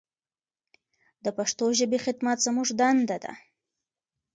د پښتو ژبې خدمت زموږ دنده ده.